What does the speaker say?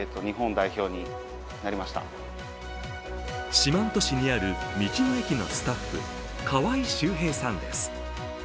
四万十市にある道の駅のスタッフ、川井集平さんです。